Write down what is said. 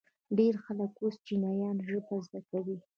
ډیر خلک اوس چینایي ژبه زده کوي.